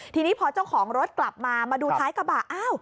ทีนี้พอเจ้าของรถกลับมามาดูท้ายกระบะอ้าว